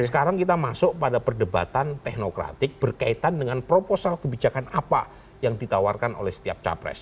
sekarang kita masuk pada perdebatan teknokratik berkaitan dengan proposal kebijakan apa yang ditawarkan oleh setiap capres